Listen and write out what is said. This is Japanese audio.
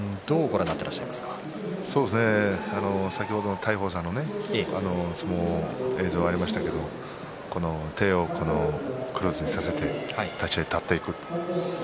先ほどの大鵬さんの相撲の映像がありましたけど手をクロスさせて立ち合いに立っていく。